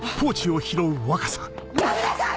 やめなさい！